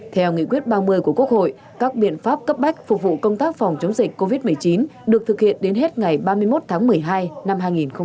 theo nghị quyết ba mươi của quốc hội các biện pháp cấp bách phục vụ công tác phòng chống dịch covid một mươi chín được thực hiện đến hết ngày ba mươi một tháng một mươi hai năm hai nghìn hai mươi